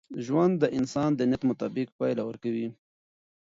ژوند د انسان د نیت مطابق پایله ورکوي.